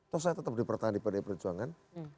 tok saya tetap dipertahan di pdp perjuangan